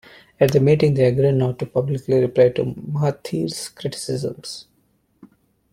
At the meeting, they agreed not to publicly reply to Mahathir's criticisms.